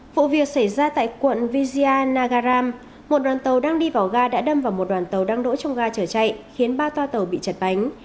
vụ việc xảy ra tại quận vizia nagaram một đoàn tàu đang đi vào ga đã đâm vào một đoàn tàu đang đỗ trong ga chở chạy khiến ba toa tàu bị chật bánh